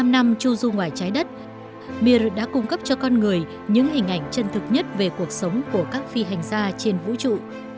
bảy mươi năm năm chu du ngoài trái đất mier đã cung cấp cho con người những hình ảnh chân thực nhất về cuộc sống của các phi hành gia trên vũ trụ